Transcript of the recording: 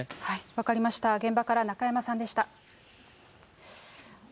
分かりました、現場から中山さんでした。